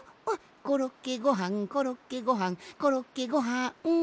「コロッケごはんコロッケごはんコロッケごはん」